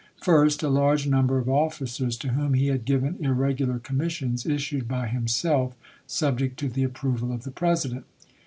First, a large number of officers to whom he had given irregular commissions, issued by himself, "subject to the approval of the President."